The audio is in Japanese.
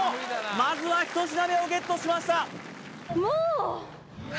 まずは１品目をゲットしました